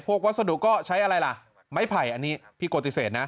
วัสดุก็ใช้อะไรล่ะไม้ไผ่อันนี้พี่โกติเศษนะ